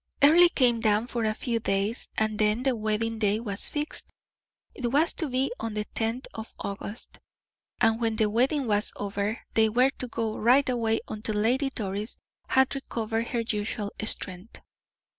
Earle came down for a few days, and then the wedding day was fixed. It was to be on the tenth of August, and when the wedding was over they were to go right away until Lady Doris had recovered her usual strength.